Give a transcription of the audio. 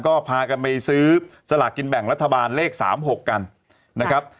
ก็พากันไปซื้อสลากกินแบ่งรัฐบาลเลข๓๖กันนะครับ